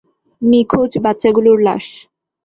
নিখোঁজ বাচ্চাগুলোর লাশ।